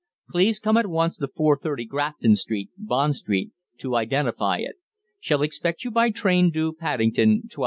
Please come at once to 430 Grafton Street, Bond Street, to identify it. Shall expect you by train due Paddington 12:17.